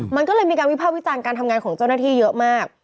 มันก็เลยมีการวิภาควิจารณ์การทำงานของเจ้าหน้าที่เยอะมาก